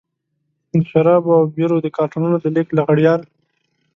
د شرابو او بيرو د کارټنونو د لېږد لغړيان.